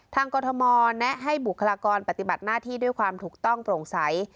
กรทมแนะให้บุคลากรปฏิบัติหน้าที่ด้วยความถูกต้องโปร่งใส